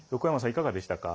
いかがでしたか？